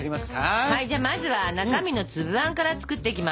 はいじゃあまずは中身の粒あんから作っていきます。